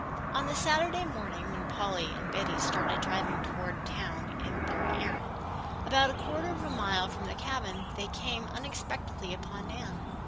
On the Saturday morning when Polly and Betty started driving toward town on their errand, about a quarter of a mile from the cabin they came unexpectedly upon Nan.